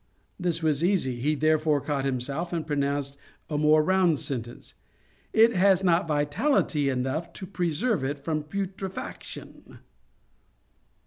This was easy; he therefore caught himself, and pronounced a more round sentence; 'It has not vitality enough to preserve it from putrefaction.'